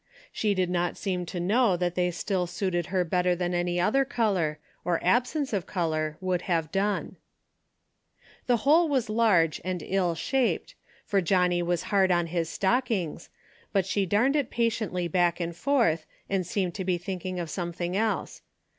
She did not seem to know that they still suited her better than any other color, or absence of color, could have done. 81 82 *A DAILY BATE.'^ The hole was large and ill shaped, for John nie was hard on his stockings, but she darned it patiently back and forth, and seemed to be thinking of something else.